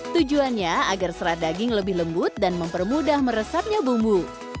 tujuannya agar serat daging lebih lembut dan mempermudah meresapnya bumbu